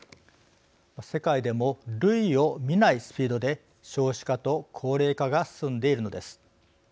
世界でも類を見ないスピードで少子化と高齢化が進んでいるのです。